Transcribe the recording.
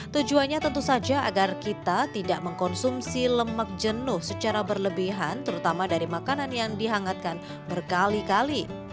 tujuannya tentu saja agar kita tidak mengkonsumsi lemak jenuh secara berlebihan terutama dari makanan yang dihangatkan berkali kali